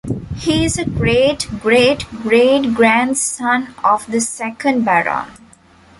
He is a great-great-great grandson of the second Baron.